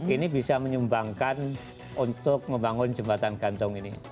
ini bisa menyumbangkan untuk membangun jembatan gantung ini